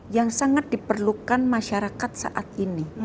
yang sangat diperlukan masyarakat saat ini